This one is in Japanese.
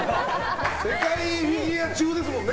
世界フィギュア中ですもんね。